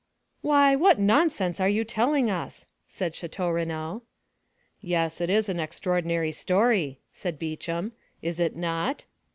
"Why, what nonsense are you telling us?" said Château Renaud. "Yes, it is an extraordinary story," said Beauchamp; "is it not?"